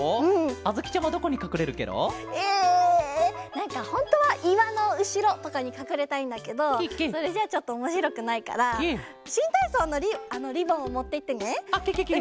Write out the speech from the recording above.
なんかほんとはいわのうしろとかにかくれたいんだけどそれじゃあちょっとおもしろくないからしんたいそうのリボンをもっていってねうみのなかに。